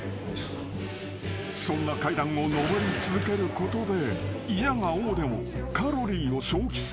［そんな階段を上り続けることでいやが応でもカロリーを消費させる］